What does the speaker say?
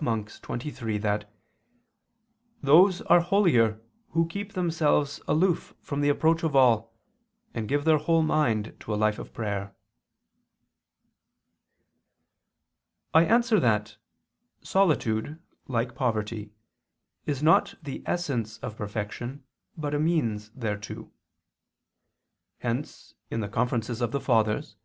Monach. xxiii) that "those are holier who keep themselves aloof from the approach of all, and give their whole mind to a life of prayer." I answer that, Solitude, like poverty, is not the essence of perfection, but a means thereto. Hence in the Conferences of the Fathers (Coll.